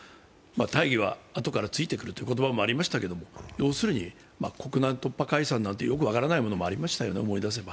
大義はあとからついてくるという言葉もありましたけども、要するに、国難突破解散なんてよく分からないものもありました。